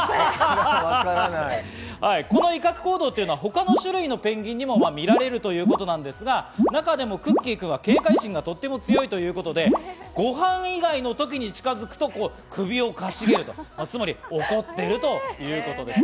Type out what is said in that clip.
この威嚇行動は他の種類のペンギンにも見られるということですが、中でもクッキーくんは警戒心がとても強いということで、ご飯以外のときに近づくと首をかしげる、つまり怒っているということです。